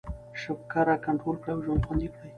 شکره کنټرول کړئ او ژوند خوندي کړئ.